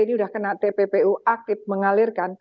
ini sudah kena tppu aktif mengalirkan